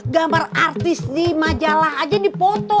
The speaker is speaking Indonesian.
gambar artis di majalah aja dipoto